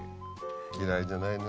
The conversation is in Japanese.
嫌いじゃないな。